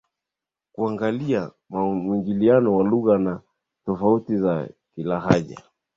kuangalia muingiliano wa lugha na tofauti za kilahaja